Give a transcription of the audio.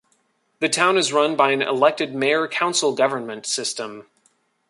The town is run by an elected Mayor-council government system.